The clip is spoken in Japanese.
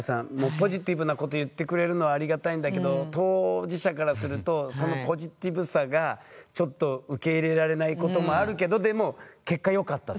ポジティブなこと言ってくれるのはありがたいんだけど当事者からするとそのポジティブさがちょっと受け入れられないこともあるけどでも結果よかったっていうね。